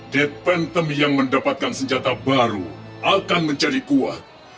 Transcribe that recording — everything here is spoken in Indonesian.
dead pentom yang mendapatkan senjata baru akan menjadi kuat